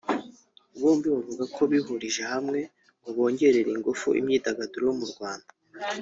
bombi bavuga ko bihurije hamwe ngo bongerere ingufu imyidagaduro yo mu Rwanda